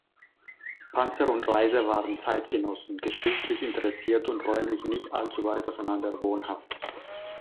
Panzer und Reiser waren Zeitgenossen, geschichtlich Interessiert und räumlich nicht allzu weit auseinander wohnhaft.